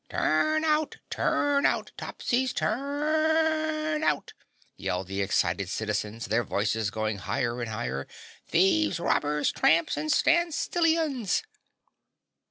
"Turn out! Turn out! Topsies turn out!" yelled the excited citizens, their voices going higher and higher. "Thieves, robbers, tramps and Stand Stillians!"